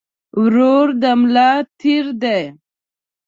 ورور د ملا تير دي